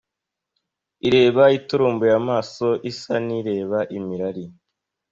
ireba iturumbuye amaso isa n’ireba imirari